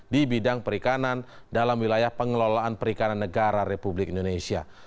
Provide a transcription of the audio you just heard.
di bidang perikanan dalam wilayah pengelolaan perikanan negara republik indonesia